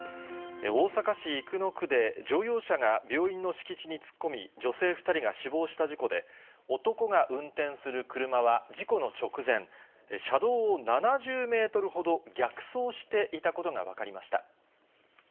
大阪市生野区で、乗用車が病院の敷地に突っ込み、女性２人が死亡した事故で、男が運転する車は事故の直前、車道を７０メートルほど逆走していたことが分かりました。